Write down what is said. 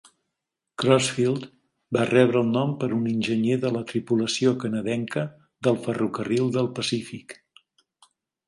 Crossfield va rebre el nom per un enginyer de la tripulació canadenca del ferrocarril del Pacífic.